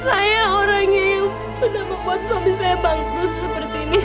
saya orangnya yang pernah membuat suami saya bangkrut seperti ini